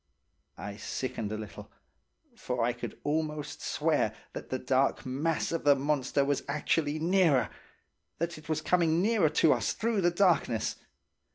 I sickened a little, for I could almost swear that the dark mass of the monster was actually nearer–that it was coming nearer to us through the darkness.